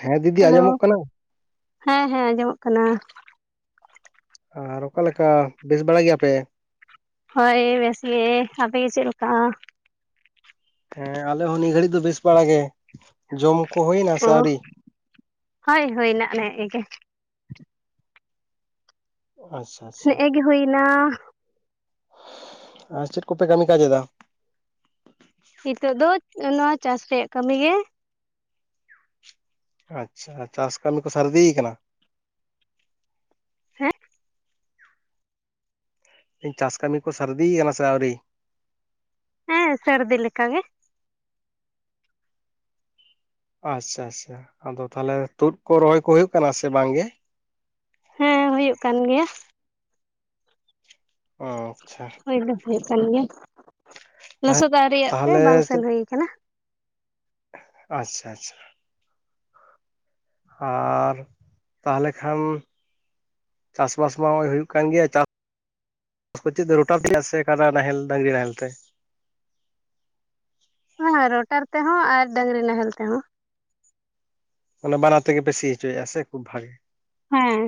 ᱦᱮᱸ ᱫᱤᱫᱤ ᱦᱮᱞᱳ ᱟᱸᱡᱚᱢᱚᱜ ᱠᱟᱱᱟ ᱦᱮᱸ ᱦᱮᱸ ᱟᱸᱡᱚᱢᱚᱜ ᱠᱟᱱᱟ ᱟᱨ ᱚᱠᱟᱞᱮᱠᱟ ᱵᱮᱥ ᱵᱟᱲᱟ ᱜᱮᱭᱟᱯᱮ ᱦᱳᱭ ᱵᱮᱥ ᱜᱮ ᱟᱯᱮ ᱜᱮ ᱪᱮᱫ ᱞᱮᱠᱟ? ᱦᱮ ᱟᱞᱮ ᱦᱚ ᱱᱤᱭᱟᱹ ᱜᱷᱟᱹᱲᱤᱡ ᱫᱚ ᱵᱮᱥ ᱵᱟᱲᱟᱟᱜ ᱜᱮ ᱡᱚᱢ ᱠᱚ ᱦᱩᱭᱱᱟ ᱥᱮ ᱟᱹᱣᱨᱤ? ᱦᱳᱭ ᱦᱳᱭ ᱱᱟ ᱱᱮᱜᱮ ᱜᱮ ᱟᱪᱪᱷᱟ ᱱᱮ ᱟᱪᱪᱷᱟ ᱜᱮ ᱦᱩᱭᱱᱟ ᱟᱨ ᱪᱮᱫ ᱠᱚᱯᱮ ᱠᱟᱹᱢᱤ ᱠᱟᱡ ᱮᱫᱟ ᱱᱤᱛᱚᱜ ᱫᱚ ᱚᱱᱟ ᱪᱟᱥ ᱨᱮᱭᱟᱜ ᱠᱟᱹᱢᱤ ᱜᱮ ᱟᱪᱪᱷᱟ ᱪᱟᱥ ᱠᱟᱹᱢᱤ ᱠᱚ ᱥᱟᱨᱫᱤᱭ ᱠᱟᱱᱟ ᱦᱮᱸᱜ ᱪᱟᱥ ᱠᱟᱹᱢᱤ ᱠᱚ ᱥᱟᱨᱫᱤᱭ ᱠᱟᱱᱟ ᱥᱮ ᱟᱹᱣᱨᱤ ᱦᱮᱸ ᱥᱟᱹᱨᱫᱤ ᱞᱮᱠᱟ ᱜᱮ ᱟᱪᱪᱷᱟ ᱟᱥᱥᱟ ᱟᱫᱚ ᱛᱟᱦᱚᱞᱮ ᱛᱩᱫ ᱠᱚ ᱨᱚᱦᱚᱭ ᱠᱚ ᱦᱩᱭᱩᱜ ᱠᱟᱱᱟ ᱥᱮ ᱵᱟᱝ ᱜᱮ ᱦᱮᱸ ᱦᱩᱭᱩᱜ ᱠᱟᱱ ᱜᱮᱭᱟ ᱚᱸ ᱟᱪᱪᱷᱟ ᱦᱩᱭ ᱫᱚ ᱦᱩᱭᱩᱜ ᱠᱟᱱ ᱜᱮᱭᱟ ᱛᱟᱦᱚᱞᱮ ᱞᱚᱥᱚᱫ ᱟᱹᱣᱨᱤ ᱭᱟᱜ ᱛᱮ ᱛᱟᱦᱚᱞᱮ ᱵᱟᱝ ᱥᱮᱱ ᱪᱮᱫ ᱦᱩᱭ ᱠᱟᱱᱟ ᱟᱪᱪᱷᱟ ᱟᱪᱪᱷᱟ ᱟᱨ ᱛᱟᱦᱚᱞᱮ ᱠᱷᱟᱱ ᱪᱟᱥᱵᱟᱥ ᱢᱟ ᱦᱚᱸᱜᱼᱚᱭ ᱦᱩᱭᱩᱜ ᱠᱟᱱ ᱜᱮᱭᱟ ᱪᱟ ᱪᱤᱜ ᱛᱮ ᱨᱚᱴᱟᱨ ᱛᱮ ᱥᱮ ᱠᱟᱰᱟ ᱱᱟᱦᱮᱞ ᱰᱟᱹᱝᱨᱤ ᱱᱟᱦᱮᱞ ᱛᱮ ᱦᱳᱭ ᱨᱚᱴᱟᱨ ᱛᱮᱦᱚᱸ ᱟᱨ ᱰᱟᱝᱨᱤ ᱱᱟᱦᱮᱞ ᱛᱮᱦᱚᱸ ᱢᱟᱱᱮ ᱵᱟᱱᱟᱨ ᱛᱮᱜᱮ ᱯᱮ ᱥᱤ ᱦᱚᱪᱚᱭᱮᱫᱼᱟ ᱥᱮ ᱠᱷᱩᱵ ᱵᱷᱟᱜᱮ ᱦᱮᱸ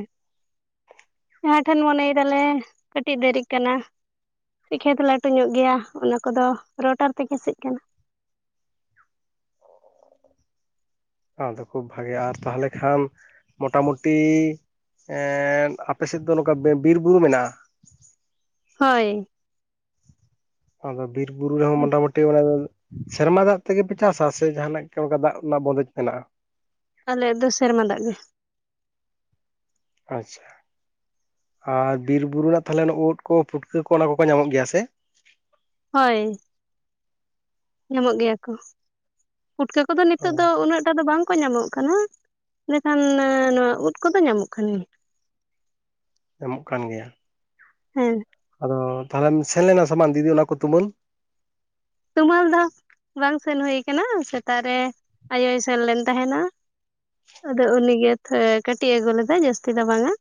ᱡᱟᱦᱟᱸ ᱴᱷᱮᱱ ᱢᱚᱱᱮᱭ ᱫᱟᱞᱮ ᱠᱟᱹᱴᱤᱡ ᱫᱮᱨᱤᱜ ᱠᱟᱱᱟ ᱠᱷᱮᱛ ᱞᱟᱹᱴᱩ ᱧᱚᱜ ᱜᱮᱭᱟ ᱚᱱᱟ ᱠᱚᱫᱚ ᱨᱚᱴᱟᱨ ᱛᱮᱜᱮ ᱥᱤᱜ ᱠᱟᱱᱟ ᱟᱫᱚ ᱠᱷᱩᱵ ᱵᱷᱟᱜᱮ ᱟᱨ ᱛᱟᱦᱚᱞᱮ ᱠᱷᱟᱱ ᱢᱚᱴᱟᱢᱩᱴᱤ ᱮ ᱟᱯᱮ ᱥᱮᱫ ᱫᱚ ᱱᱚᱝᱠᱟ ᱵᱤᱨ ᱵᱩᱨᱩ ᱢᱮᱱᱟᱜ-ᱟ ᱦᱳᱭ ᱟᱫᱚ ᱵᱤᱨ ᱵᱩᱨᱩ ᱨᱮᱦᱚᱸ ᱢᱚᱴᱟᱢᱳᱴ ᱛᱮ ᱚᱱᱟ ᱫᱚ ᱥᱮᱨᱢᱟ ᱫᱟᱜ ᱛᱮᱜᱮ ᱯᱮ ᱪᱟᱥᱟ ᱥᱮ ᱡᱟᱦᱟᱱᱟᱜ ᱜᱮ ᱚᱱᱠᱟ ᱫᱟᱜ ᱨᱮᱱᱟᱜ ᱵᱚᱱᱫᱮᱡᱽ ᱢᱮᱱᱟᱜ-ᱟ ᱟᱞᱮᱭᱟᱜ ᱫᱚ ᱥᱮᱨᱢᱟ ᱫᱟᱜ ᱜᱮ ᱟᱪᱪᱷᱟ ᱟᱨ ᱵᱤᱨ ᱵᱩᱨᱩ ᱨᱮᱱᱟᱜ ᱛᱟᱦᱚᱞᱮ ᱳᱫᱽ ᱠᱚ ᱯᱩᱴᱠᱟᱹ ᱠᱚ ᱚᱱᱟ ᱠᱚᱠᱚ ᱧᱟᱢᱚᱜ ᱜᱮᱭᱟ ᱥᱮ ᱦᱳᱭ ᱧᱟᱢᱚᱜ ᱜᱮᱭᱟ ᱠᱚ, ᱯᱩᱴᱠᱟᱹ ᱠᱚᱫᱚ ᱱᱤᱛᱚᱜ ᱫᱚ ᱩᱱᱟᱹᱜ ᱴᱟ ᱫᱚ ᱵᱟᱝ ᱠᱚ ᱧᱟᱢᱚᱜ ᱠᱟᱱᱟ ᱮᱸᱰᱮᱠᱷᱟᱱ ᱱᱚᱣᱟ ᱳᱫᱽ ᱠᱚᱫᱚ ᱧᱟᱢᱚᱜ ᱠᱟᱱᱟ ᱧᱟᱢᱚᱜ ᱠᱟᱱ ᱜᱮᱭᱟ ᱦᱮᱸ ᱟᱫᱚ ᱛᱟᱦᱚᱞᱮᱢ ᱥᱮᱱ ᱞᱮᱱᱟ ᱥᱟᱢᱟᱱ ᱫᱤᱫᱤ ᱚᱱᱟ ᱠᱚ ᱛᱩᱢᱟᱹᱞ ᱛᱩᱢᱟᱹᱞ ᱫᱚ ᱵᱟᱝ ᱥᱮᱱ ᱦᱩᱭ ᱠᱟᱱᱟ ᱥᱮᱛᱟᱜ ᱨᱮ ᱟᱭᱳᱭ ᱥᱮᱱ ᱞᱮᱱ ᱛᱟᱦᱮᱸᱱᱟ ᱟᱫᱚ ᱩᱱᱤᱜᱮ ᱛᱷᱚ ᱠᱟᱴᱤᱡ ᱮ ᱟᱹᱜᱩ ᱞᱮᱫᱟᱭ ᱡᱟᱹᱥᱛᱤ ᱫᱚ ᱵᱟᱝ-ᱟ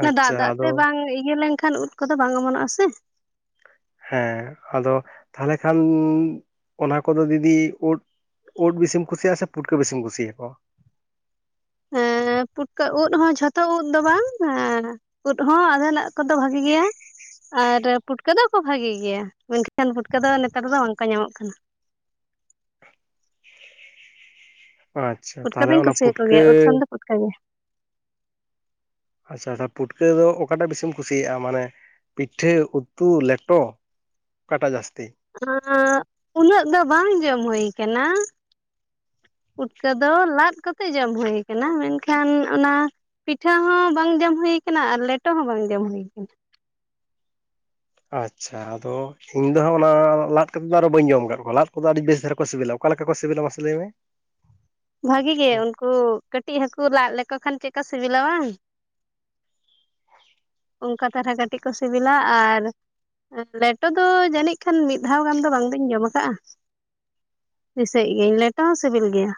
ᱚᱱᱟ ᱫᱟᱜ ᱟᱪᱪᱷᱟ ᱫᱟᱜ ᱛᱮ ᱟᱫᱚ ᱵᱟᱝ ᱤᱭᱟᱹ ᱞᱮᱱᱠᱷᱟᱱ ᱩᱫ ᱠᱚᱫᱚ ᱵᱟᱝ ᱚᱢᱚᱱᱚᱜ-ᱟ ᱥᱮ ᱦᱮᱸ ᱟᱫᱚ ᱛᱟᱦᱚᱞᱮ ᱠᱷᱟᱱ ᱚᱱᱟ ᱠᱚᱫᱚ ᱫᱤᱫᱤ ᱳᱫ ᱳᱫᱽ ᱵᱮᱥᱤᱢ ᱠᱩᱥᱟᱜ-ᱟ ᱥᱮ ᱯᱩᱴᱠᱟᱹ ᱵᱮᱥᱤᱢ ᱠᱩᱥᱤᱭᱟ ᱠᱚᱣᱟ ᱮᱸ ᱯᱩᱴᱠᱟᱹ ᱳᱫᱽ ᱦᱚᱸ ᱡᱷᱚᱛᱚ ᱳᱫᱽ ᱫᱚ ᱵᱟᱝ ᱳᱫᱽ ᱦᱚᱸ ᱟᱫᱷᱮᱱᱟᱜ ᱠᱚᱫᱚ ᱵᱷᱟᱜᱤ ᱜᱮᱭᱟ ᱟᱨ ᱯᱩᱴᱠᱟᱹ ᱫᱚ ᱠᱚ ᱵᱷᱟᱜᱮ ᱜᱮᱭᱟ ᱢᱮᱱᱠᱷᱟᱱ ᱯᱩᱴᱠᱟᱹ ᱫᱚ ᱱᱮᱛᱟᱨ ᱫᱚ ᱵᱟᱝᱠᱚ ᱧᱟᱢᱚᱜ ᱠᱟᱱᱟ ᱟᱪᱪᱷᱟ ᱯᱩᱴᱠᱟᱹ ᱛᱟᱦᱚᱞᱮ ᱫᱚᱧ ᱚᱱᱟ ᱠᱩᱥᱤᱭᱟ ᱠᱚ ᱯᱩᱴᱠᱟᱹ ᱜᱮᱭᱟ ᱳᱫᱽ ᱠᱷᱟᱱ ᱫᱚ ᱯᱩᱴᱠᱟᱹ ᱜᱮ ᱟᱪᱪᱷᱟ ᱟᱪᱪᱷᱟ ᱯᱩᱴᱠᱟᱹ ᱫᱚ ᱚᱠᱟᱴᱟᱜ ᱵᱮᱥᱤᱢ ᱠᱩᱥᱤᱭᱟᱜ-ᱟ ᱢᱟᱱᱮ ᱯᱤᱴᱷᱟᱹ ᱩᱛᱩ ᱞᱮᱴᱚ ᱚᱠᱟᱴᱟᱜ ᱡᱟᱹᱥᱛᱤ ᱩᱱᱟᱹᱜ ᱫᱚ ᱵᱟᱝ ᱡᱚᱢ ᱦᱩᱭ ᱠᱟᱱᱟ ᱯᱩᱴᱠᱟᱹ ᱫᱚ ᱞᱟᱫ ᱠᱟᱛᱮ ᱡᱚᱢ ᱦᱩᱭ ᱠᱟᱱᱟ ᱢᱮᱱᱠᱷᱟᱱ ᱚᱱᱟ ᱯᱤᱴᱷᱟᱹ ᱦᱚᱸ ᱵᱟᱝ ᱡᱚᱢ ᱦᱩᱭ ᱠᱟᱱᱟ ᱟᱨ ᱞᱮᱴᱚ ᱦᱚᱸ ᱵᱟᱝ ᱡᱚᱢ ᱦᱩᱭ ᱠᱟᱱᱟ ᱟᱪᱪᱷᱟ ᱟᱫᱚ ᱤᱧ ᱫᱚ ᱦᱟᱸᱜ ᱚᱱᱟ ᱞᱟᱫ ᱠᱟᱛᱮᱫ ᱫᱚ ᱟᱨᱦᱚᱸ ᱵᱟᱹᱧ ᱡᱚᱢ ᱠᱟᱫ ᱠᱚᱣᱟ ᱞᱟᱫ ᱠᱚᱫᱚ ᱟᱹᱰᱤ ᱵᱮᱥ ᱫᱷᱟᱨᱟ ᱠᱚ ᱥᱮᱵᱮᱞᱟ ᱚᱠᱟ ᱞᱮᱠᱟ ᱠᱚ ᱥᱮᱵᱮᱞᱟ ᱢᱟᱥᱮ ᱞᱟᱹᱭ ᱢᱮ ᱵᱷᱟᱜᱤ ᱜᱮ ᱩᱱᱠᱩ ᱠᱟᱹᱴᱤᱡ ᱦᱟᱹᱠᱩ ᱞᱟᱜ ᱞᱮᱠᱚ ᱠᱷᱟᱱ ᱪᱮᱫᱠᱟ ᱥᱤᱵᱤᱞᱟ ᱵᱟᱝ ᱚᱱᱠᱟ ᱛᱟᱨᱟ ᱠᱟᱹᱴᱤᱡ ᱠᱚ ᱥᱤᱵᱤᱞᱟ ᱟᱨ ᱞᱮᱴᱚ ᱫᱚ ᱡᱟᱹᱱᱤᱡ ᱠᱷᱟᱱ ᱢᱤᱫ ᱫᱷᱟᱣ ᱜᱟᱱ ᱫᱚ ᱵᱟᱝ ᱫᱩᱧ ᱡᱚᱢ ᱟᱠᱟᱜ-ᱟ ᱫᱤᱥᱟᱹᱭᱮᱫ ᱜᱤᱭᱟᱹᱧ ᱞᱮᱴᱚ ᱦᱚᱸ ᱥᱤᱵᱤᱞ ᱜᱮᱭᱟ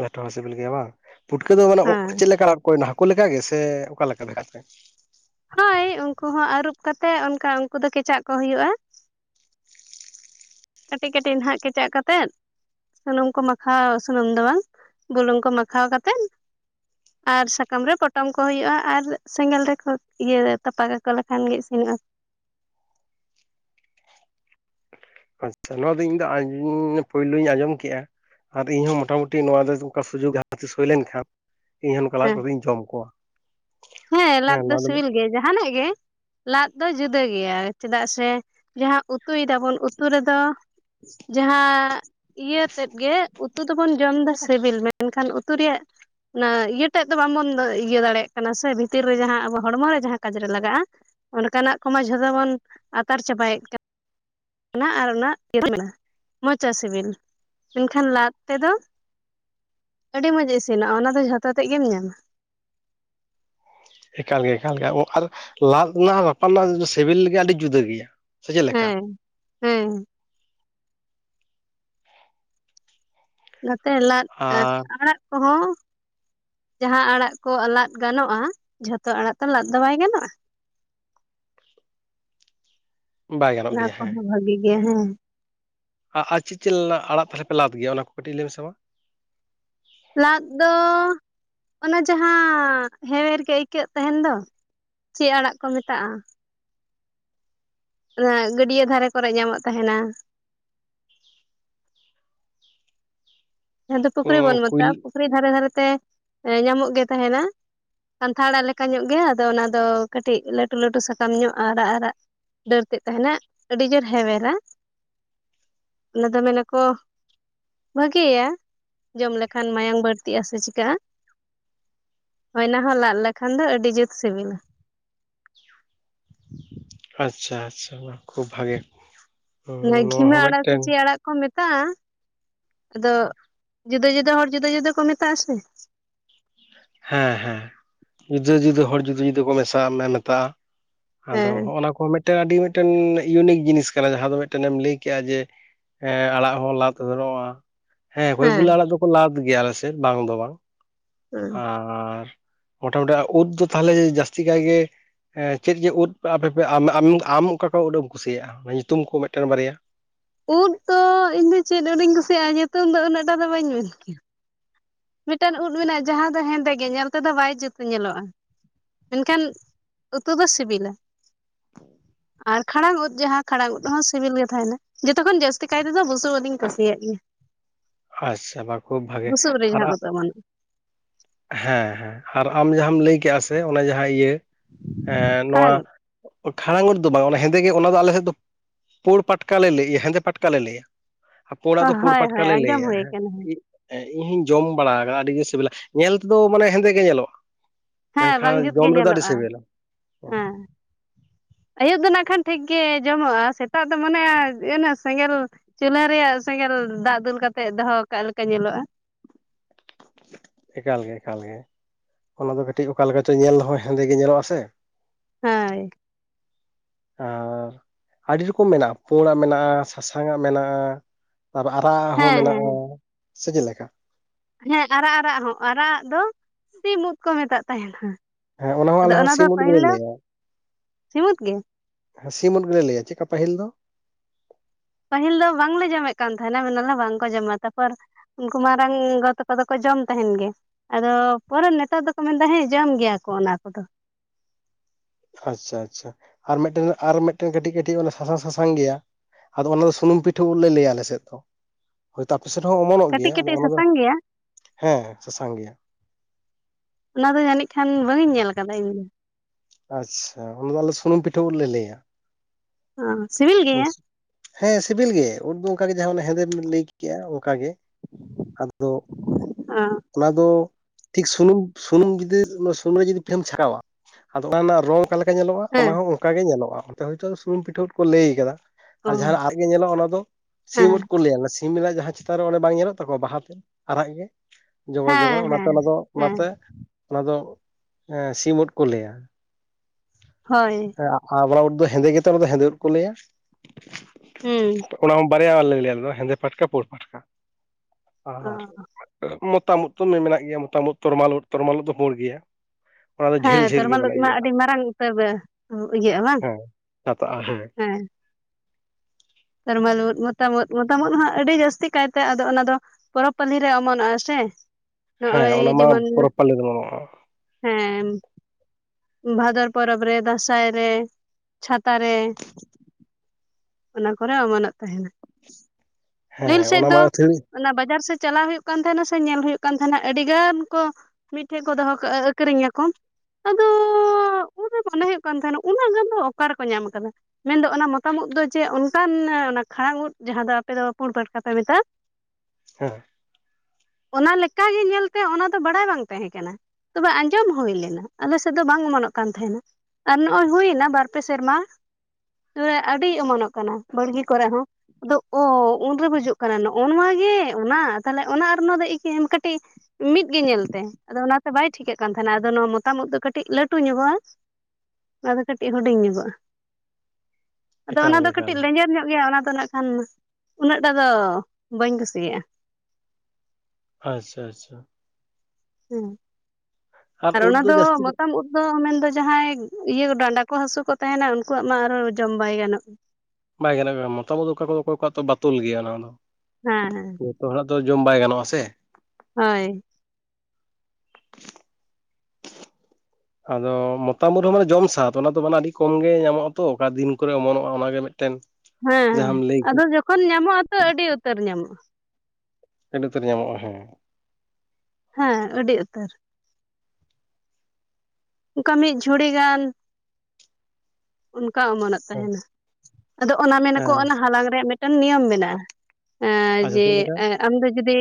ᱞᱮᱴᱚ ᱦᱚᱸ ᱥᱤᱵᱤᱞ ᱜᱮᱭᱟ ᱵᱟᱝ ᱯᱩᱴᱠᱟᱹ ᱫᱚ ᱢᱟᱱᱮ ᱦᱮᱸ ᱪᱮᱫ ᱞᱮᱠᱟ ᱞᱟᱫ ᱠᱚ ᱵᱮᱱᱟᱣᱟ ᱦᱟᱹᱠᱩ ᱞᱮᱠᱟ ᱜᱮ ᱥᱮ ᱚᱠᱟ ᱞᱮᱠᱟ ᱢᱮᱱᱟᱜ ᱛᱮ ᱦᱳᱭ ᱩᱱᱠᱩ ᱦᱚᱸ ᱟᱹᱨᱩᱵ ᱠᱟᱛᱮᱜ ᱚᱱᱠᱟ ᱩᱱᱠᱩ ᱫᱚ ᱠᱮᱪᱟᱜ ᱠᱚ ᱦᱩᱭᱩᱜ-ᱟ ᱠᱟᱹᱴᱤᱡ ᱠᱟᱹᱴᱤᱡ ᱱᱟᱦᱟᱜ ᱠᱮᱪᱟᱜ ᱠᱟᱛᱮᱫ ᱥᱩᱱᱩᱢ ᱠᱚ ᱢᱟᱠᱷᱟᱣ ᱥᱩᱱᱩᱢ ᱫᱚ ᱵᱟᱝ ᱵᱩᱞᱩᱝ ᱠᱚ ᱢᱟᱠᱷᱟᱣ ᱠᱟᱛᱮᱜ ᱟᱨ ᱥᱟᱠᱟᱢ ᱨᱮ ᱯᱚᱴᱚᱢ ᱠᱚ ᱦᱩᱭᱩᱜ-ᱟ ᱟᱨ ᱥᱮᱸᱜᱮᱞ ᱨᱮᱠᱚ ᱤᱭᱟᱹ ᱛᱟᱯᱟ ᱠᱟᱠᱚ ᱞᱮᱠᱷᱟᱱ ᱜᱮ ᱤᱥᱤᱱᱚᱜ-ᱟ ᱟᱪᱪᱷᱟ ᱱᱚᱣᱟ ᱫᱚ ᱤᱧ ᱫᱚ ᱯᱳᱭᱞᱳᱧ ᱟᱸᱡᱚᱢ ᱠᱮᱫᱟ ᱟᱨ ᱤᱧᱦᱚ ᱢᱚᱴᱟᱢᱩᱴᱤ ᱱᱚᱣᱟ ᱫᱚ ᱚᱱᱠᱟ ᱥᱩᱡᱳᱜᱽ ᱡᱟᱦᱟᱛᱤᱥ ᱦᱩᱭ ᱞᱮᱱᱠᱷᱟᱱ ᱤᱧ ᱱᱚᱝᱠᱟ ᱞᱟᱫ ᱠᱟᱛᱮᱧ ᱡᱚᱢ ᱠᱚᱣᱟ ᱦᱮ ᱞᱟᱫ ᱦᱮᱸ ᱫᱚ ᱱᱚᱣᱟ ᱥᱤᱵᱤᱞ ᱜᱮᱭᱟ ᱡᱟᱦᱟᱱᱟᱜ ᱜᱮ ᱞᱟᱫ ᱫᱚ ᱡᱩᱫᱟᱹ ᱜᱮᱭᱟ ᱪᱮᱫᱟᱜ ᱥᱮ ᱡᱟᱦᱟ ᱩᱛᱩᱭ ᱫᱟᱵᱚᱱ ᱩᱛᱩ ᱨᱮᱫᱚ ᱡᱟᱦᱟ ᱤᱭᱟᱹ ᱛᱮᱫ ᱜᱮ ᱩᱛᱩ ᱫᱚᱵᱚᱱ ᱡᱚᱢ ᱮᱫᱟ ᱥᱤᱵᱤᱞ ᱢᱮᱱᱠᱷᱟᱱ ᱩᱛᱩ ᱨᱮᱭᱟᱜ ᱚᱱᱟ ᱤᱭᱟᱹ ᱴᱟᱜ ᱫᱚ ᱵᱟᱝᱵᱚᱱ ᱤᱭᱟᱹ ᱫᱟᱲᱮᱭᱟᱜ ᱠᱟᱱᱟ ᱥᱮ ᱵᱷᱤᱛᱤᱨ ᱨᱮ ᱡᱟᱦᱟᱸ ᱟᱵᱚ ᱦᱚᱲᱢᱚ ᱨᱮ ᱡᱟᱦᱟᱸ ᱠᱟᱡᱮ ᱨᱮ ᱞᱟᱜᱟᱜ-ᱟ ᱚᱱᱠᱟᱱᱟᱜ ᱠᱚᱢᱟ ᱡᱷᱚᱛᱚ ᱵᱚᱱ ᱟᱛᱟᱨ ᱪᱟᱵᱟᱭᱮᱫ ᱠᱟᱱᱟ ᱚᱱᱟ ᱟᱨ ᱚᱱᱟ ᱤᱭᱟᱹ ᱢᱚᱪᱟ ᱥᱤᱵᱤᱞ ᱢᱮᱱᱠᱷᱟᱱ ᱞᱟᱫ ᱛᱮᱫᱚ ᱟᱹᱰᱤ ᱢᱚᱸᱡᱽ ᱤᱥᱤᱱᱚᱜ-ᱟ ᱚᱱᱟ ᱫᱚ ᱡᱷᱚᱛᱚ ᱛᱮ ᱜᱮᱢ ᱧᱟᱢᱟ ᱮᱠᱟᱞ ᱜᱮ ᱮᱠᱟᱞ ᱜᱮ ᱟᱨ ᱞᱟᱫ ᱨᱮᱱᱟᱜ ᱨᱟᱯᱟᱜ ᱨᱮᱱᱟᱜ ᱥᱤᱵᱤᱞ ᱟᱹᱰᱤ ᱡᱩᱫᱟᱹ ᱜᱮᱭᱟ ᱥᱮ ᱪᱮᱫ ᱞᱮᱠᱟ ᱦᱮ ᱜᱟᱛᱮ ᱞᱟᱫ ᱟᱨ ᱟᱲᱟᱜ ᱠᱚᱦᱚ ᱡᱟᱦᱟᱸ ᱟᱲᱟᱜ ᱠᱚ ᱞᱟᱫ ᱜᱟᱱᱚᱜ-ᱟ ᱡᱷᱚᱛᱚ ᱟᱲᱟᱜ ᱛᱚ ᱞᱟᱫ ᱫᱚ ᱵᱟᱭ ᱜᱟᱱᱚᱜ-ᱟ ᱵᱟᱭ ᱜᱟᱱᱚᱜ ᱚᱱᱟ ᱜᱮᱭᱟ ᱦᱮᱸ ᱠᱚᱦᱚᱸ ᱵᱷᱟᱹᱜᱤ ᱜᱮ ᱦᱮᱸ ᱟᱨ ᱪᱮᱫ ᱪᱮᱫ ᱨᱮᱱᱟᱜ ᱟᱲᱟᱜ ᱛᱟᱦᱚᱞᱮ ᱯᱮ ᱞᱟᱫ ᱜᱮᱭᱟ ᱚᱱᱟ ᱠᱚ ᱠᱟᱹᱴᱤᱡ ᱞᱟᱹᱭ ᱢᱮᱥᱮ ᱢᱟ ᱞᱟᱫ ᱫᱚ ᱚᱱᱟ ᱡᱟᱦᱟ ᱦᱮᱣᱮᱨ ᱜᱮ ᱟᱹᱭᱠᱟᱹᱜ ᱛᱟᱦᱮᱱ ᱫᱚ ᱪᱮᱫ ᱟᱲᱟᱜ ᱠᱚ ᱢᱮᱛᱟᱜ-ᱟ ᱚᱱᱟ ᱜᱟᱹᱰᱭᱟ ᱫᱷᱟᱨᱮ ᱠᱚᱨᱮ ᱧᱟᱢᱚᱜ ᱛᱟᱦᱮᱱᱟ ᱡᱟᱦᱟᱸ ᱫᱚ ᱠᱚ ᱯᱩᱠᱷᱨᱤ ᱵᱚᱱ ᱠᱩᱭ ᱢᱮᱛᱟᱜ-ᱟ ᱯᱩᱠᱷᱨᱤ ᱫᱷᱟᱨᱮ ᱫᱷᱟᱨᱮ ᱛᱮ ᱧᱟᱢᱚᱜ ᱜᱮ ᱛᱟᱦᱮᱱᱟ ᱠᱟᱱᱛᱷᱟ ᱟᱲᱟᱜ ᱞᱮᱠᱟ ᱧᱚᱜ ᱜᱮ ᱟᱫᱚ ᱚᱱᱟᱫᱚ ᱠᱟᱹᱴᱤᱡ ᱞᱟᱹᱴᱩ ᱞᱟᱹᱴᱩ ᱥᱟᱠᱟᱢ ᱧᱚᱜ-ᱟ ᱟᱲᱟᱜ ᱟᱲᱟᱜ ᱰᱟᱹᱨ ᱛᱮᱫ ᱛᱟᱦᱮᱱᱟ ᱟᱹᱰᱤ ᱡᱳᱨ ᱦᱮᱣᱮᱨᱟ ᱚᱱᱟ ᱫᱚ ᱢᱮᱱᱟ ᱠᱚ ᱵᱷᱟᱜᱮ ᱭᱟ ᱡᱚᱢ ᱞᱮᱠᱷᱟᱱ ᱢᱟᱭᱟᱝ ᱵᱟᱹᱲᱛᱤᱜ-ᱟ ᱥᱮ ᱪᱤᱠᱟᱹᱜ-ᱟ ᱚᱱᱟ ᱦᱚᱸ ᱞᱟᱫ ᱞᱮᱠᱷᱟᱱ ᱫᱚ ᱟᱹᱰᱤ ᱡᱩᱛ ᱥᱤᱵᱤᱞᱟ ᱟᱪᱪᱷᱟ ᱟᱪᱪᱷᱟ ᱠᱷᱩᱵ ᱵᱷᱟᱜᱮ ᱦᱩᱸ ᱞᱟᱜᱷᱤ ᱱᱚᱣᱟ ᱢᱮ ᱦᱚᱸ ᱟᱲᱟᱜ ᱥᱮ ᱢᱤᱫᱴᱮᱱ ᱪᱮᱫ ᱟᱲᱟᱜ ᱠᱚ ᱢᱮᱛᱟᱜ-ᱟ ᱟᱫᱚ ᱡᱩᱫᱟᱹ ᱡᱩᱫᱟᱹ ᱦᱚᱲ ᱡᱩᱫᱟᱹ ᱡᱩᱫᱟᱹ ᱠᱚ ᱢᱮᱛᱟᱜ-ᱟ ᱥᱮ ᱦᱮᱸ ᱦᱮᱸ ᱡᱩᱫᱟᱹ ᱡᱩᱫᱟᱹ ᱦᱚᱲ ᱡᱩᱫᱟᱹ ᱡᱩᱫᱟᱹ ᱠᱚ ᱢᱮᱥᱟᱜ ᱢᱮᱛᱟᱜ-ᱟ ᱟᱫᱚ ᱦᱮᱸ ᱦᱚᱸᱜ ᱱᱟ ᱠᱚ ᱢᱤᱫᱴᱟᱝ ᱟᱹᱰᱤ ᱢᱤᱫᱴᱟᱝ ᱤᱭᱩᱱᱤᱠ ᱡᱤᱱᱤᱥ ᱠᱟᱱᱟ ᱡᱟᱦᱟᱸ ᱫᱚ ᱢᱤᱫᱴᱮᱱ ᱮᱢ ᱞᱟᱹᱭ ᱠᱮᱫᱮᱜ-ᱟ ᱡᱮ ᱦᱮᱸ ᱟᱲᱟᱜ ᱦᱚᱸ ᱞᱟᱫ ᱜᱟᱱᱚᱜ-ᱟ ᱦᱮᱸ ᱦᱚᱭ ᱜᱩᱞᱟ ᱟᱲᱟᱜ ᱫᱚᱠᱚ ᱞᱟᱫ ᱜᱮᱭᱟ ᱟᱞᱮ ᱥᱮ ᱵᱟᱝ ᱫᱚ ᱵᱟᱝ ᱦᱮᱸ ᱟᱨ ᱢᱚᱴᱟᱢᱩᱴᱤ ᱩᱫ ᱫᱚ ᱛᱟᱦᱚᱞᱮ ᱡᱟᱹᱥᱛᱤ ᱠᱟᱭ ᱜᱮ ᱪᱮᱫ ᱪᱮᱫ ᱩᱫ ᱟᱯᱮ ᱯᱮ ᱟᱢ ᱟᱢ ᱟᱢ ᱚᱠᱟ ᱠᱚ ᱩᱫ ᱮᱢ ᱠᱩᱥᱤᱭᱟᱜ-ᱟ ᱧᱩᱛᱩᱢ ᱠᱚ ᱢᱤᱫᱴᱮᱱ ᱵᱟᱨᱭᱟ ᱩᱫ ᱫᱚ ᱤᱧᱫᱚ ᱪᱮᱫ ᱟᱹᱰᱤᱧ ᱠᱩᱥᱤᱭᱟᱜ-ᱟ ᱧᱩᱛᱩᱢ ᱫᱚ ᱩᱱᱟᱹᱜᱴᱟ ᱫᱚ ᱵᱟᱹᱧ ᱢᱮᱱ ᱠᱮᱭᱟ ᱢᱤᱫᱴᱟᱝ ᱩᱫ ᱢᱮᱱᱟᱜ-ᱟ ᱡᱟᱦᱟᱸ ᱫᱚ ᱦᱮᱸᱫᱮ ᱜᱮ ᱧᱮᱞ ᱛᱮᱫᱚ ᱵᱟᱭ ᱡᱩᱛ ᱧᱮᱞᱚᱜ-ᱟ ᱢᱮᱱᱠᱷᱟᱱ ᱩᱛᱩ ᱫᱚ ᱥᱤᱵᱤᱞᱟ ᱟᱨ ᱠᱷᱟᱲᱟᱝ ᱩᱫ ᱡᱟᱦᱟᱸ ᱠᱷᱟᱲᱟᱝ ᱩᱫ ᱦᱚᱸ ᱥᱤᱵᱤᱞ ᱜᱮ ᱛᱟᱦᱮᱱᱟ ᱡᱚᱛᱚ ᱠᱷᱚᱱ ᱡᱟᱹᱥᱛᱤ ᱠᱟᱭ ᱛᱮᱫᱚ ᱵᱩᱥᱩᱵ ᱩᱫ ᱤᱧ ᱠᱩᱥᱤᱭᱟᱜ ᱜᱮᱭᱟ ᱟᱪᱪᱷᱟ ᱵᱟ ᱠᱷᱩᱵ ᱵᱷᱟᱜᱮ ᱟᱨ ᱛᱚᱵᱚᱱ ᱦᱮᱸ ᱦᱮᱸ ᱟᱨ ᱟᱢ ᱡᱟᱦᱟᱸᱟᱢ ᱞᱟᱹᱭ ᱠᱮᱜ-ᱟ ᱥᱮ ᱚᱱᱟ ᱡᱟᱦᱟᱸ ᱤᱭᱟᱹ ᱮᱸ ᱱᱚᱣᱟ ᱠᱷᱟᱲᱟᱝ ᱩᱫ ᱴᱷᱟᱲᱟᱝ ᱳᱫ ᱫᱚ ᱵᱟᱝ ᱚᱱᱟ ᱦᱮᱸᱫᱮ ᱜᱮ ᱚᱱᱟ ᱫᱚ ᱟᱞᱮᱥᱮᱫ ᱫᱚ ᱯᱩᱲ ᱯᱟᱴᱠᱟ ᱞᱮ ᱞᱟᱹᱭ ᱦᱮᱸᱫᱮ ᱯᱟᱴᱠᱟ ᱞᱟᱹᱭᱟ ᱟᱨ ᱯᱩᱲ ᱚ ᱫᱚ ᱯᱩᱲ ᱦᱳᱭ ᱯᱟᱴᱠᱟ ᱦᱳᱭ ᱞᱮ ᱟᱸᱡᱚᱢ ᱞᱟᱹᱭᱟ ᱦᱩᱭ ᱦᱮᱸ ᱟᱠᱟᱱᱟ ᱤᱧᱦᱚᱧ ᱡᱚᱢ ᱵᱟᱲᱟ ᱟᱠᱟᱫᱟ ᱟᱹᱰᱤ ᱜᱮ ᱥᱤᱵᱤᱞᱟ ᱧᱮᱞ ᱛᱮᱫᱚ ᱢᱟᱱᱮ ᱦᱮᱸᱫᱮ ᱜᱮ ᱧᱮᱞᱚᱜ-ᱟ ᱦᱮᱸ ᱵᱟᱝ ᱢᱮᱱᱠᱷᱟᱱ ᱡᱩᱛ ᱜᱮ ᱡᱚᱢ ᱨᱮᱫᱚ ᱟᱹᱰᱤ ᱧᱮᱞᱚᱜᱼᱟ ᱥᱤᱵᱤᱞᱟ ᱦᱮᱸ ᱟᱹᱭᱩᱵ ᱫᱚ ᱱᱟᱜ ᱠᱷᱟᱱ ᱴᱷᱤᱠᱜᱮ ᱡᱚᱢᱚᱜ-ᱟ ᱥᱮᱛᱟᱜ ᱫᱚ ᱢᱟᱱᱮ ᱤᱱᱟᱹ ᱥᱮᱸᱜᱮᱞ ᱪᱩᱞᱦᱟᱹ ᱨᱮᱭᱟᱜ ᱥᱮᱸᱜᱮᱞ ᱫᱟᱜ ᱫᱩᱞ ᱠᱟᱛᱮᱜ ᱫᱚᱦᱚ ᱟᱠᱟᱜ ᱞᱮᱠᱟ ᱧᱮᱞᱚᱜ-ᱟ ᱮᱠᱟᱞ ᱜᱮ ᱮᱠᱟᱞ ᱜᱮ ᱚᱱᱟ ᱫᱚ ᱠᱟᱹᱴᱤᱡ ᱚᱠᱟᱞᱮ ᱞᱮᱠᱟ ᱪᱚ ᱧᱮᱞ ᱨᱮᱦᱚᱸ ᱦᱮᱸᱫᱮ ᱜᱮ ᱧᱮᱞᱚᱜ-ᱟ ᱥᱮ ᱦᱮᱸ ᱟᱨ ᱟᱹᱰᱤ ᱨᱚᱠᱚᱢ ᱢᱮᱱᱟᱜ-ᱟ ᱯᱩᱰᱟᱜ ᱢᱮᱱᱟᱜ-ᱟ ᱥᱟᱥᱟᱝ ᱟᱜ ᱢᱮᱱᱟᱜ-ᱟ ᱟᱨ ᱟᱨᱟᱜ ᱦᱚᱸ ᱦᱮᱸ ᱢᱮᱱᱟᱜ-ᱟ ᱦᱮᱸ ᱥᱮ ᱪᱮᱫ ᱞᱮᱠᱟ ᱦᱮᱸ ᱟᱨᱟᱜ ᱟᱨᱟᱜ ᱦᱚᱸ ᱟᱨᱟᱜ ᱟᱜ ᱫᱚ ᱥᱤᱢ ᱩᱫ ᱠᱚ ᱢᱮᱛᱟᱜ ᱛᱟᱦᱮᱱᱟ ᱦᱮᱸ ᱚᱱᱟ ᱟᱫᱚ ᱦᱚᱸᱟᱞᱮ ᱦᱚᱸ ᱥᱤᱢ ᱩᱫ ᱜᱮᱞᱮ ᱞᱟᱹᱭᱟ ᱥᱤᱢ ᱩᱫ ᱜᱮ ᱥᱤᱢ ᱩᱫ ᱜᱮᱞᱮ ᱞᱟᱹᱭᱟ ᱪᱮᱫ ᱞᱮᱠᱟ ᱯᱟᱹᱦᱤᱞ ᱫᱚ ᱯᱟᱹᱦᱤᱞ ᱫᱚ ᱵᱟᱝᱞᱮ ᱡᱚᱢᱮᱫ ᱠᱟᱱ ᱛᱟᱦᱮᱱᱟ ᱢᱮᱱᱟᱞᱮ ᱵᱟᱝᱠᱚ ᱡᱚᱢᱟ ᱛᱟᱯᱚᱨ ᱩᱱᱠᱩ ᱢᱟᱨᱟᱝ ᱜᱚ ᱛᱟᱠᱚ ᱫᱚ ᱠᱚ ᱡᱚᱢ ᱛᱟᱦᱮᱱ ᱜᱮ ᱟᱫᱚ ᱯᱚᱨᱮ ᱱᱮᱛᱟᱨ ᱫᱚᱠᱚ ᱢᱮᱱᱫᱟ ᱦᱮᱸ ᱡᱚᱢ ᱜᱮᱭᱟ ᱠᱚ ᱚᱱᱟ ᱠᱚᱫᱚ ᱟᱪᱪᱷᱟ ᱟᱪᱪᱷᱟ ᱟᱨ ᱢᱤᱫᱴᱮᱱ ᱟᱨ ᱢᱤᱫᱴᱮᱱ ᱠᱟᱹᱴᱤᱡ ᱠᱟᱹᱴᱤᱡ ᱚᱱᱟ ᱥᱟᱥᱟᱝ ᱥᱟᱥᱟᱝ ᱜᱮᱭᱟ ᱟᱫᱚ ᱚᱱᱟ ᱫᱚ ᱥᱩᱱᱩᱢ ᱯᱤᱴᱷᱟᱹ ᱩᱫ ᱞᱮ ᱞᱟᱹᱭᱟ ᱟᱞᱮ ᱥᱮᱫ ᱫᱚ ᱦᱳᱭᱛᱳ ᱟᱯᱮ ᱥᱮᱫ ᱦᱚᱸ ᱚᱢᱚᱱᱚᱜ ᱠᱟᱹᱴᱤᱡ ᱜᱮᱭᱟ ᱟᱫᱚ ᱠᱟᱹᱴᱤᱡ ᱚᱱᱟ ᱫᱚ ᱥᱟᱥᱟᱝ ᱜᱮᱭᱟ ᱦᱮᱸ ᱥᱟᱥᱟᱝ ᱜᱮᱭᱟ ᱚᱱᱟ ᱫᱚ ᱡᱟᱹᱱᱤᱡ ᱠᱷᱟᱱ ᱵᱟᱝᱤᱧ ᱧᱮᱞ ᱠᱟᱫᱟ ᱤᱧ ᱫᱚ ᱟᱪᱪᱷᱟ ᱚᱱᱟ ᱫᱚ ᱟᱞᱮ ᱥᱩᱱᱩᱢ ᱯᱤᱴᱷᱟᱹ ᱩᱫ ᱞᱮ ᱞᱟᱹᱭᱟ ᱚ ᱥᱵᱤᱞ ᱜᱮᱭᱟ ᱦᱮᱸ ᱥᱤᱵᱤᱞ ᱜᱮ ᱩᱫ ᱫᱚ ᱚᱱᱠᱟᱜᱮ ᱡᱟᱦᱟᱸ ᱦᱮᱸᱫᱮᱢ ᱞᱟᱹᱭ ᱠᱮᱜᱼᱟ ᱚᱱᱠᱟ ᱜᱮ ᱟᱫᱚ ᱚ ᱚᱱᱟ ᱫᱚ ᱴᱷᱤᱠ ᱥᱩᱱᱩᱢ ᱥᱩᱱᱩᱢ ᱡᱩᱫᱤ ᱚᱱᱟ ᱥᱩᱱᱩᱢ ᱨᱮ ᱡᱩᱫᱤ ᱯᱤᱴᱷᱟᱹᱢ ᱪᱷᱟᱠᱟᱣᱟ ᱟᱫᱚ ᱚᱱᱟ ᱨᱮᱱᱟᱜ ᱨᱚᱝ ᱚᱠᱟᱞᱮᱠᱟ ᱧᱮᱞᱚᱜᱼᱟ ᱚᱱᱟ ᱦᱮᱸ ᱦᱚᱸ ᱚᱱᱠᱟ ᱜᱮ ᱧᱮᱞᱚᱜᱼᱟ ᱚᱱᱛᱮ ᱦᱳᱭᱛᱳ ᱥᱩᱱᱩᱢ ᱯᱤᱴᱷᱟᱹ ᱩᱫ ᱠᱚ ᱞᱟᱹᱭ ᱟᱠᱟᱫᱟ ᱚ ᱟᱨ ᱡᱟᱦᱟ ᱜᱮ ᱧᱮᱞᱚᱜᱼᱟ ᱚᱱᱟ ᱫᱚ ᱥᱤᱢ ᱩᱫ ᱦᱮᱸ ᱠᱚ ᱞᱟᱹᱭᱟ ᱥᱤᱢ ᱨᱮᱱᱟᱜ ᱡᱟᱦᱟᱸ ᱪᱮᱛᱟᱱ ᱨᱮ ᱚᱱᱮ ᱵᱟᱝ ᱧᱮᱞᱚᱜ ᱛᱟᱠᱚᱣᱟ ᱵᱟᱦᱟᱛᱮᱜ ᱟᱨᱟᱜ ᱜᱮ ᱡᱚᱜᱸᱚ ᱡᱚᱜᱸᱚ ᱦᱮᱸ ᱚᱱᱟᱛᱮ ᱦᱮᱸ ᱚᱱᱟ ᱫᱚ ᱦᱮᱸ ᱚᱱᱟᱛᱮ ᱚᱱᱟ ᱫᱚ ᱥᱤᱢ ᱩᱫ ᱠᱚ ᱞᱟᱹᱭᱟ ᱦᱳᱭ ᱦᱮᱸᱫᱮ ᱜᱮᱛᱮ ᱚᱱᱟ ᱫᱚ ᱦᱮᱸᱫᱮ ᱩᱫ ᱠᱚ ᱞᱟᱹᱭᱟ ᱦᱩᱸ ᱚᱱᱟ ᱵᱟᱨᱭᱟ ᱜᱮᱞᱮ ᱞᱮᱭᱟ ᱟᱞᱮ ᱫᱚ ᱦᱮᱸᱫᱮ ᱯᱟᱴᱠᱟ ᱯᱩᱲ ᱯᱟᱴᱠᱟ ᱚ ᱟᱨ ᱢᱚᱛᱟᱢ ᱩᱫ ᱫᱚᱢᱮ ᱢᱮᱱᱟᱜ ᱜᱮᱭᱟ ᱢᱚᱛᱟᱢ ᱩᱫ ᱛᱚᱨᱢᱟᱞ ᱩᱫ ᱛᱚᱨᱢᱟᱞ ᱩᱫ ᱫᱚ ᱯᱩᱬ ᱜᱮᱭᱟ ᱚᱱᱟ ᱫᱚ ᱡᱷᱟᱹᱞ ᱦᱮᱸ ᱡᱷᱟᱹᱞ ᱜᱮ ᱛᱚᱨᱢᱟᱞ ᱩᱫ ᱢᱟᱱᱮ ᱢᱟ ᱤᱭᱟᱹᱜᱼᱟ ᱟᱹᱰᱤ ᱢᱟᱨᱟᱝ ᱩᱛᱟᱹᱨ ᱤᱭᱟᱹᱜᱼᱟ ᱵᱟᱝ ᱦᱮᱸ ᱥᱟᱛᱟᱜᱼᱟ ᱦᱮᱸ ᱛᱚᱨᱢᱟᱞ ᱩᱫ ᱢᱚᱛᱟᱢ ᱩᱫ ᱢᱚᱛᱟᱢ ᱩᱫ ᱦᱚᱸ ᱟᱹᱰᱤ ᱡᱟᱹᱥᱛᱤ ᱠᱟᱭᱛᱮ ᱟᱫᱚ ᱚᱱᱟᱫᱚ ᱯᱚᱨᱚᱵᱽ ᱯᱟᱹᱞᱤ ᱨᱮ ᱚᱢᱚᱱᱚᱜᱼᱟ ᱥᱮ ᱦᱮᱸ ᱱᱚᱜᱼᱚᱭ ᱚᱱᱟ ᱢᱟ ᱡᱮᱢᱚᱱ ᱯᱚᱨᱚᱵᱽ ᱯᱟᱹᱞᱤ ᱨᱮ ᱚᱢᱚᱱᱚᱜᱼᱟ ᱦᱮᱸ ᱵᱷᱟᱫᱚᱨ ᱯᱚᱨᱚᱵᱽ ᱨᱮ ᱫᱟᱸᱥᱟᱭ ᱨᱮ ᱪᱷᱟᱛᱟ ᱨᱮ ᱚᱱᱟ ᱠᱚᱨᱮ ᱚᱢᱚᱱᱚᱜ ᱛᱟᱦᱮᱱᱟ ᱯᱟᱹᱦᱤᱞ ᱦᱮᱸ ᱥᱮᱫ ᱚᱱᱟ ᱫᱚ ᱢᱟ ᱟᱹᱛᱷᱟᱹᱲᱤ ᱚᱱᱟ ᱵᱟᱡᱟᱨ ᱥᱮᱫ ᱪᱟᱞᱟᱣ ᱦᱩᱭᱩᱜ ᱠᱟᱱ ᱛᱟᱦᱮᱱᱟ ᱥᱮ ᱧᱮᱞ ᱦᱩᱭᱩᱜ ᱠᱟᱱ ᱛᱟᱦᱮᱱᱟ ᱟᱹᱰᱤ ᱜᱟᱱ ᱠᱚ ᱢᱤᱫᱴᱷᱮᱱ ᱠᱚ ᱫᱚᱦᱚ ᱠᱟᱜᱼᱟ ᱟᱠᱷᱨᱤᱧ ᱟᱠᱚ ᱟᱫᱚ ᱢᱚᱱᱮ ᱦᱩᱭᱩᱜ ᱠᱟᱱ ᱛᱟᱦᱮᱱᱟ ᱩᱱᱟᱹᱜ ᱜᱟᱱ ᱫᱚ ᱚᱠᱟ ᱨᱮᱠᱚ ᱧᱟᱢ ᱟᱠᱟᱫᱟ ᱢᱮᱱᱫᱚ ᱚᱱᱟ ᱢᱚᱛᱟᱢ ᱩᱫ ᱫᱚ ᱡᱮ ᱚᱱᱠᱟᱱ ᱠᱷᱟᱲᱟᱝ ᱩᱫ ᱡᱟᱦᱟᱸ ᱫᱚ ᱟᱯᱮ ᱫᱚ ᱯᱩᱲ ᱯᱷᱴᱠᱟ ᱯᱮ ᱢᱮᱛᱟᱜᱼᱟ [inaudible] ᱦᱮᱸ [inaudible] ᱚᱱᱟ ᱞᱮᱠᱟ ᱜᱮ ᱧᱮᱞᱛᱮ ᱚᱱᱟ ᱫᱚ ᱵᱟᱲᱟᱭ ᱵᱟᱝ ᱛᱟᱦᱮᱸ ᱠᱟᱱᱟ ᱛᱚᱵᱮ ᱟᱸᱡᱚᱢ ᱦᱩᱭ ᱞᱮᱱᱟ ᱟᱞᱮ ᱥᱮᱫ ᱫᱚ ᱵᱟᱝ ᱚᱢᱚᱱᱚᱜ ᱠᱟᱱ ᱛᱟᱦᱮᱱᱟ ᱟᱨ ᱱᱚᱜᱚᱭ ᱦᱩᱭ ᱮᱱᱟ ᱵᱟᱨ ᱯᱮ ᱥᱮᱨᱢᱟ ᱛᱚᱵᱮ ᱟᱹᱰᱤ ᱚᱢᱚᱱᱚᱜ ᱠᱟᱱᱟ ᱵᱟᱲᱜᱤ ᱠᱚᱨᱮ ᱦᱚᱸ ᱟᱫᱚ ᱚ ᱩᱱᱨᱮ ᱵᱩᱡᱩᱜ ᱠᱟᱱᱟ ᱱᱚᱜᱼᱚ ᱱᱚᱣᱟ ᱜᱮ ᱚᱱᱟ ᱛᱟᱦᱞᱮ ᱚᱱᱟ ᱟᱨ ᱱᱚᱣᱟ ᱫᱚ ᱮᱠᱷᱟᱱ ᱠᱟᱹᱴᱤᱡ ᱢᱤᱫ ᱜᱮ ᱧᱮᱞᱛᱮ ᱟᱫᱚ ᱚᱱᱟᱛᱮ ᱵᱟᱭ ᱴᱷᱤᱠᱟᱹᱜ ᱠᱟᱱ ᱛᱟᱦᱮᱱᱟ ᱟᱫᱚ ᱱᱚᱣᱟ ᱢᱚᱛ ᱛᱟᱢ ᱩᱫ ᱫᱚ ᱠᱟᱹᱴᱤᱡ ᱞᱟᱹᱴᱩ ᱧᱚᱜᱚᱜᱼᱟ ᱚᱱᱟᱫᱚ ᱠᱟᱹᱴᱤᱡ ᱦᱩᱰᱤᱧ ᱧᱚᱜᱚᱜᱼᱟ ᱟᱫᱚ ᱮᱠᱟᱞ ᱚᱱᱟ ᱜᱮ ᱫᱚ ᱮᱠᱟᱞ ᱠᱟᱹᱴᱤᱡ ᱞᱮᱸᱡᱮᱨ ᱧᱚᱜ ᱜᱮᱭᱟ ᱚᱱᱟ ᱫᱚ ᱱᱟᱜ ᱠᱷᱟᱱ ᱩᱱᱟᱹᱜᱴᱟ ᱫᱚ ᱵᱟᱹᱧ ᱠᱩᱥᱤᱭᱟᱜᱼᱟ ᱟᱪᱪᱷᱟ ᱟᱪᱪᱷᱟ ᱦᱮᱸ ᱟᱨ ᱩᱫ ᱚᱱᱟ ᱫᱚ ᱡᱟᱹᱥᱛᱤ ᱜᱮ ᱢᱚᱛᱟᱢ ᱩᱫ ᱫᱚ ᱢᱮᱱᱫᱚ ᱡᱟᱦᱟᱸᱭ ᱤᱭᱟᱹ ᱰᱟᱸᱰᱟ ᱠᱚ ᱦᱟᱹᱥᱩ ᱠᱚ ᱛᱟᱦᱮᱱᱟ ᱩᱱᱠᱩᱣᱟᱜ ᱢᱟ ᱟᱨᱚ ᱡᱚᱢ ᱵᱟᱭ ᱜᱟᱱᱚᱜᱟ ᱵᱟᱭ ᱜᱟᱱᱚᱜ ᱠᱟᱱᱟ ᱢᱚᱛᱟᱢ ᱩᱫ ᱫᱚ ᱚᱠᱟ ᱠᱚᱫᱚ ᱚᱠᱚᱭ ᱠᱚᱣᱟᱜ ᱫᱚ ᱵᱟᱛᱞ ᱜᱮᱭᱟ ᱚᱱᱟ ᱫᱚ ᱦᱮᱸ ᱦᱮᱸ ᱡᱚᱛᱚ ᱦᱚᱲᱟᱜ ᱫᱚ ᱡᱚᱢ ᱵᱟᱭ ᱜᱟᱱᱚᱜᱼᱟ ᱥᱮ ᱦᱳᱭ ᱟᱫᱚ ᱢᱚᱛᱟᱢ ᱩᱫ ᱨᱮᱦᱚᱸ ᱢᱟᱱᱮ ᱡᱚᱢ ᱥᱟᱫᱽ ᱚᱱᱟ ᱫᱚ ᱢᱟᱱᱮ ᱟᱹᱰᱤ ᱠᱚᱢ ᱜᱮ ᱧᱟᱢᱚᱜᱼᱟ ᱛᱚ ᱚᱠᱟ ᱫᱤᱱ ᱠᱚᱨᱮ ᱚᱢᱚᱱᱚᱜᱼᱟ ᱚᱱᱟᱜᱮ ᱢᱤᱫᱴᱮᱱ ᱦᱮᱸ ᱡᱟᱦᱟᱸᱢ ᱞᱟᱹᱭ ᱠᱮᱫ ᱟᱫᱚ ᱡᱚᱠᱷᱚᱱ ᱧᱟᱢᱚᱜ ᱟ ᱛᱚ ᱟᱹᱰᱤ ᱩᱛᱟᱹᱨ ᱧᱟᱢᱚᱜᱼᱟ ᱟᱹᱰᱤ ᱩᱛᱟᱹᱨ ᱧᱟᱢᱚᱜᱼᱟ ᱦᱮᱸ ᱦᱮᱸ ᱟᱹᱰᱤ ᱩᱛᱟᱹᱨ ᱚᱱᱠᱟ ᱢᱤᱫ ᱡᱷᱩᱲᱤ ᱜᱟᱱ ᱚᱱᱠᱟ ᱚᱢᱚᱱᱚᱜ ᱛᱟᱦᱮᱱᱟ ᱟᱫᱚ ᱚᱱᱟ ᱢᱮᱱᱟᱠᱚ ᱦᱮᱸ ᱚᱱᱟ ᱦᱟᱞᱟᱝ ᱨᱮᱭᱟᱜ ᱢᱤᱫᱴᱟᱝ ᱱᱤᱭᱚᱢ ᱢᱮᱱᱟᱜᱼᱟ ᱮ ᱟᱪᱪᱷᱟ ᱪᱮᱫ ᱡᱮ ᱞᱮᱠᱟ ᱟᱢ ᱫᱚ ᱡᱩᱫᱤ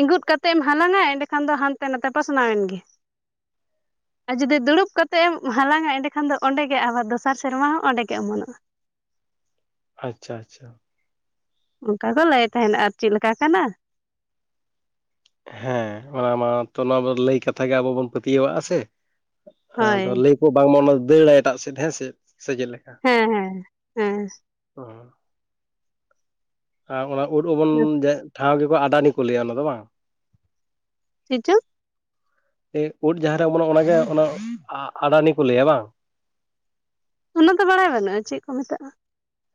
ᱤᱸᱜᱩᱛ ᱠᱟᱛᱮ ᱮᱢ ᱦᱟᱞᱟᱝᱼᱟ ᱮᱸᱰᱮᱠᱷᱟᱱ ᱫᱚ ᱦᱟᱱᱛᱮ ᱱᱟᱛᱮ ᱯᱟᱥᱱᱟᱣ ᱮᱱ ᱜᱮ ᱟᱨ ᱡᱩᱫᱤ ᱫᱩᱲᱩᱵ ᱠᱟᱛᱮᱜ ᱮᱢ ᱦᱟᱞᱟᱝᱼᱟ ᱮᱸᱰᱮᱠᱷᱟᱱ ᱫᱚ ᱚᱸᱰᱮ ᱜᱮ ᱟᱵᱟᱨ, ᱫᱚᱥᱟᱨ ᱥᱮᱨᱢᱟ ᱦᱚᱸ ᱚᱸᱰᱮ ᱜᱮ ᱚᱢᱚᱱᱚᱜᱼᱟ। ᱟᱪᱪᱷᱟ ᱟᱪᱪᱷᱟ, ᱚᱱᱠᱟ ᱠᱚ ᱞᱟᱹᱭ ᱛᱟᱦᱮᱱ ᱟᱨ ᱪᱮᱫᱞᱮᱠᱟ ᱠᱟᱱᱟ। ᱦᱮᱸ ᱚᱱᱟ ᱢᱟᱛᱚ ᱱᱚᱣᱟ ᱞᱟᱹᱭ ᱠᱟᱛᱷᱟ ᱜᱮ ᱟᱵᱚ ᱵᱚᱱ ᱯᱟᱹᱛᱭᱟᱹᱣᱟᱜᱼᱟ ᱥᱮ, ᱦᱳᱭ ᱟᱫᱚ ᱞᱟᱹᱭ ᱵᱟᱝᱢᱟ ᱚᱱᱟ ᱫᱟᱹᱲᱟᱭ ᱮᱴᱟᱜ ᱥᱮᱫ ᱦᱮᱸ ᱥᱮ ᱪᱮᱫ ᱞᱮᱠᱟ, ᱦᱮᱸ ᱦᱮᱸ ᱦᱮᱸ ᱚᱸ ᱚᱱᱟ ᱩᱫ ᱚᱢᱚᱱ ᱴᱷᱟᱶ ᱜᱮᱠᱚ ᱟᱰᱟᱱᱤ ᱠᱚ ᱞᱟᱹᱭᱟ ᱚᱱᱟ ᱫᱚ ᱵᱟᱝ, ᱪᱮᱫ ᱪᱚᱝ ᱩᱫ ᱡᱟᱦᱟᱸ ᱨᱮ ᱚᱢᱚᱱᱚᱜᱼᱟ ᱚᱱᱟᱜᱮ ᱚᱱᱟ ᱟᱰᱟᱱᱤ ᱠᱚ ᱞᱟᱹᱭᱟ ᱵᱟᱝ, ᱚᱱᱟ ᱫᱚ ᱵᱟᱲᱟᱭ ᱵᱟᱹᱱᱩᱜᱼᱟ ᱪᱮᱫ ᱠᱚ ᱢᱮᱛᱟᱜᱼᱟ।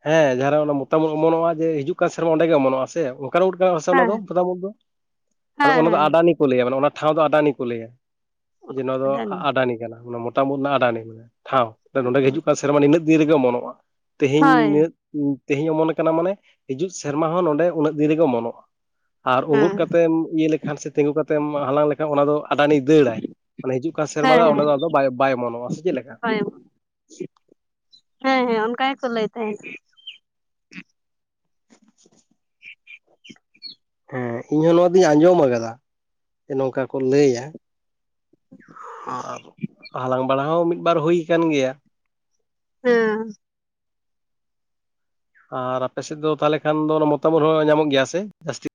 ᱦᱮᱸ ᱡᱟᱦᱟᱸ ᱨᱮ ᱚᱱᱟ ᱢᱚᱛᱟᱢ ᱩᱫ ᱚᱢᱚᱱᱚᱜᱼᱟ ᱡᱮ ᱦᱤᱡᱩᱜ ᱠᱟᱱ ᱥᱮᱨᱢᱟ ᱚᱸᱰᱮ ᱜᱮ ᱚᱢᱚᱱᱚᱜᱼᱟ ᱥᱮ, [unintelligible] ᱩᱫ ᱠᱟᱱᱟ ᱦᱮᱸᱥᱮ ᱚᱱᱟ ᱦᱮᱸ ᱫᱚ ᱢᱚᱛᱟᱢ ᱩᱫ ᱫᱚ, ᱟᱫᱚ ᱦᱮᱸ ᱚᱱᱟ ᱫᱚ ᱦᱮᱸ ᱟᱰᱟᱱᱤ ᱞᱟᱹᱭᱟ ᱢᱟᱱᱮ ᱚᱱᱟ ᱴᱷᱟᱶ ᱫᱚ ᱟᱰᱟᱱᱤ ᱠᱚ ᱞᱟᱹᱭᱟ, ᱡᱮ ᱱᱚᱣᱟ ᱫᱚ ᱰᱟᱹᱞᱤ ᱟᱰᱟᱱᱤ ᱠᱟᱱᱟ ᱚᱱᱟ ᱢᱚᱛᱟᱢ ᱢᱚᱛᱟᱢ ᱨᱮᱱᱟᱜ ᱟᱰᱟᱱᱤ ᱠᱟᱱᱟ ᱴᱷᱟᱶ ᱱᱚᱰᱮ ᱜᱮ ᱦᱤᱡᱩᱜ ᱠᱟᱱ ᱥᱮᱨᱢᱟ ᱱᱤᱱᱟᱹᱜ ᱫᱤᱱ ᱨᱮᱜᱮ ᱚᱢᱚᱱᱚᱜᱼᱟ। ᱦᱳᱭ ᱛᱮᱦᱮᱧ, ᱛᱮᱦᱮᱧ ᱚᱢᱚᱱ ᱟᱠᱟᱱᱟ ᱢᱟᱱᱮ ᱦᱤᱡᱩᱜ ᱥᱮᱨᱢᱟ ᱦᱚᱸ ᱱᱚᱰᱮ ᱩᱱᱟᱹᱜ ᱫᱤᱱ ᱨᱮᱜᱮ ᱚᱢᱚᱱᱚᱜᱼᱟ। ᱟᱨ ᱩᱸᱜᱩᱫ ᱦᱮᱸ ᱠᱟᱛᱮᱢ ᱤᱭᱟᱹ ᱞᱮᱠᱷᱟᱱ ᱥᱮ ᱛᱤᱸᱜᱩ ᱠᱟᱛᱮᱢ ᱦᱟᱞᱟᱝ ᱞᱮᱠᱷᱟᱱ ᱚᱱᱟ ᱫᱚ ᱟᱰᱟᱱᱤ ᱫᱟᱹᱲᱟᱭ। ᱢᱟᱱᱮ ᱦᱤᱡᱩᱜ ᱠᱟᱱ ᱥᱮᱨᱢᱟ ᱦᱮᱸ ᱫᱚ ᱚᱸᱰᱮ ᱫᱚ ᱟᱫᱚ ᱵᱟᱭ ᱮᱢᱚᱱᱚᱜᱼᱟ ᱥᱮ ᱪᱮᱫ ᱞᱮᱠᱟ। ᱦᱳᱭ ᱦᱮᱸ ᱦᱮᱸ ᱚᱱᱠᱟ ᱜᱮᱠᱚ ᱞᱟᱹᱭ ᱛᱟᱦᱮᱸᱫ। [unintelligible] [unintelligible] ᱦᱮᱸ ᱤᱧ ᱦᱚᱸ ᱱᱚᱣᱟ ᱫᱚᱧ ᱟᱸᱡᱚᱢ ᱟᱠᱟᱫᱟ, ᱡᱮ ᱱᱚᱝᱠᱟ ᱠᱚ ᱞᱟᱹᱭᱟ। ᱟᱨ ᱦᱟᱞᱟᱝ ᱵᱟᱲᱟ ᱦᱚᱸ ᱢᱤᱫᱵᱟᱨ ᱦᱩᱭ ᱟᱠᱟᱱ ᱜᱮᱭᱟ, ᱦᱚᱸ ᱟᱨ ᱟᱯᱮ ᱥᱮᱫ ᱫᱚ ᱛᱟᱦᱞᱮ ᱠᱷᱟᱱ ᱫᱚ ᱢᱚᱛᱟᱢ ᱩᱫ ᱦᱚᱸ ᱧᱟᱢᱚᱜ ᱜᱮᱭᱟ ᱥᱮ ᱡᱟᱹᱥᱛᱤ,